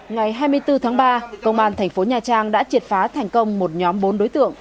ngày hai mươi bốn tháng ba công an thành phố nha trang đã triệt phá thành công một nhóm bốn đối tượng